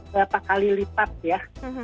berapa kali lipat ya